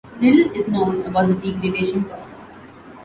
Little is known about the degradation process.